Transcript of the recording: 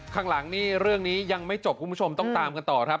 ข้างหลังนี่เรื่องนี้ยังไม่จบคุณผู้ชมต้องตามกันต่อครับ